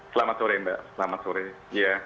selamat sore mbak selamat sore